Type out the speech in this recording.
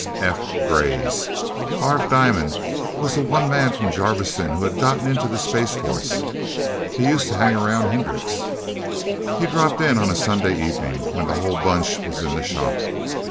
S.S.F. greys. Harv Diamond was the one man from Jarviston who had gotten into the Space Force. He used to hang around Hendricks'. He dropped in on a Sunday evening, when the whole Bunch was in the shop.